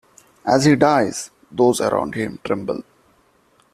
As he dies, those around him tremble.